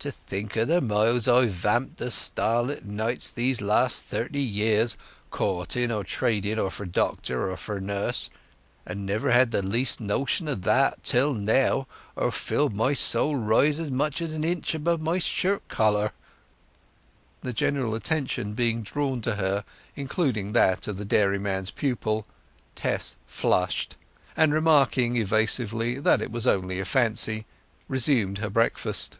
To think o' the miles I've vamped o' starlight nights these last thirty year, courting, or trading, or for doctor, or for nurse, and yet never had the least notion o' that till now, or feeled my soul rise so much as an inch above my shirt collar." The general attention being drawn to her, including that of the dairyman's pupil, Tess flushed, and remarking evasively that it was only a fancy, resumed her breakfast.